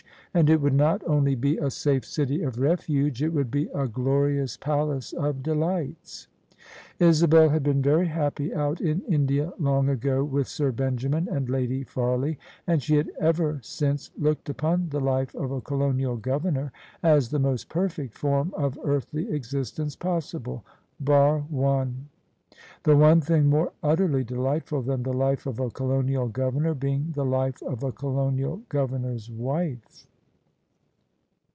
And it would not only be a safe city of refuge: it would be a glorious palace of delights. Isabel had been very happy out in India long ago with Sir Benjamin and Lady Farley: and she had ever since looked upon the life of a Colonial Governor as the most perfect form of earthly existence possible, bar one: the one thing more utterly delightful than the life of a Colonial Governor being the life of a Colonial Governor's wife.